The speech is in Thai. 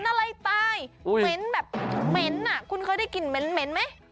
เหม็นอะไรตายเหมาะแบบเหมาะน่ะคุณเคยได้กินเหมาะไหม